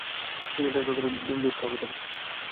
দিনে দশবার করে দুধ খাওয়াবি তাকে।